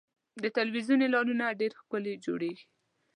د تلویزیون اعلانونه ډېر ښکلي جوړېږي.